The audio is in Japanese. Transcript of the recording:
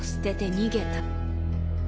逃げた。